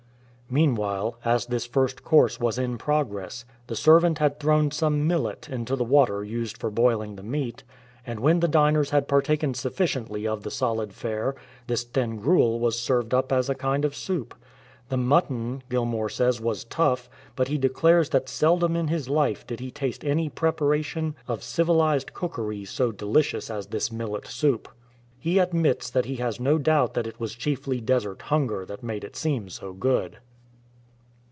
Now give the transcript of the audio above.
Meanwhile, as this first course was in progress, the servant had thrown some millet into the water used for boiling the meat, and when the diners had partaken sufficiently of the solid fare, this thin gruel was served up as a kind of soup. The mutton, Gilmour says, was tough; but he declares that seldom in his life did he taste any preparation of civilized cookery so delicious as this millet soup. He admits that he has no doubt that it was chiefly desert hunger that made it seem so good.